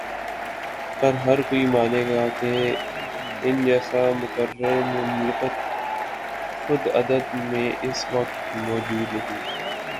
پر ہرکوئی مانے گا کہ ان جیسا مقرر مملکت خداداد میں اس وقت موجود نہیں۔